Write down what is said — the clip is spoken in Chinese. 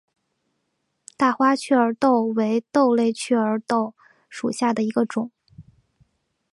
大花雀儿豆为豆科雀儿豆属下的一个种。